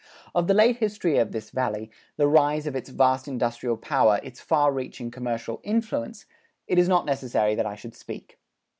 Of the late history of this Valley, the rise of its vast industrial power, its far reaching commercial influence, it is not necessary that I should speak.